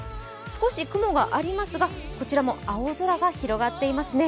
少し雲がありますが、こちらも青空が広がっていますね。